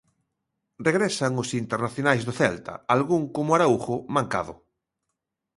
Regresan os internacionais do Celta, algún como Araújo mancado.